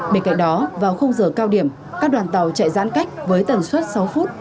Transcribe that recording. bên cạnh đó vào khung giờ cao điểm các đoàn tàu chạy giãn cách với tần suất sáu phút